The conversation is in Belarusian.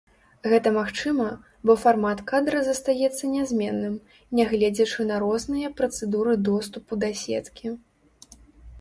Гэта магчыма, бо фармат кадра застаецца нязменным, нягледзячы на розныя працэдуры доступу да сеткі.